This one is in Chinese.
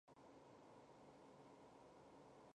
大战乡是中国浙江省仙居县所辖的一个镇。